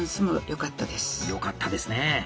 良かったですね！